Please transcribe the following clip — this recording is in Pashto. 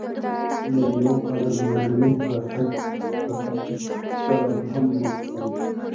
له یوه ارمینیايي راهب سره هم مخ شو.